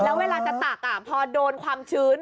แล้วเวลาจะตักพอโดนความชื้น